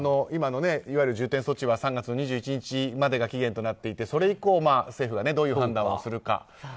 いわゆる重点措置は３月２１日までが期限となっていてそれ以降、政府がどういう判断をするか。